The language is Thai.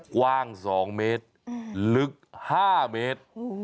กว้าง๒เมตรลึก๕เมตร